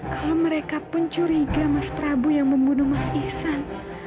kalau mereka pencuriga mas prabu yang membunuh mas iksan